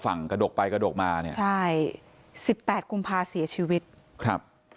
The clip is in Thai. ฝั่งกระดกไปกระดกมาใช่๑๘กุมพาเสียชีวิตครับ